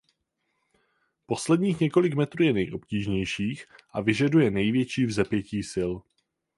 Posledních několik metrů je nejobtížnějších a vyžaduje největší vzepětí sil.